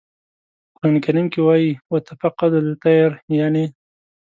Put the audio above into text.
په قرآن کریم کې وایي "و تفقد الطیر" یانې.